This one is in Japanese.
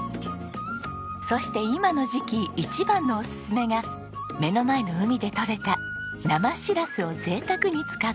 そして今の時期一番のおすすめが目の前の海で取れた生しらすをぜいたくに使った丼定食です。